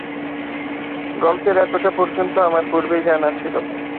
গল্পের এতটা পর্যন্ত আমার পূর্বেই জানা ছিল।